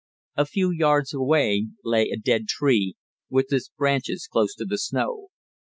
A few yards away lay a dead tree, with its branches close to the snow.